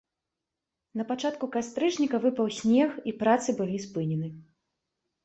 Напачатку кастрычніка выпаў снег і працы былі спынены.